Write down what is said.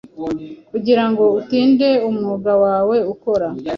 kugirango utinde umwuga wawe ukora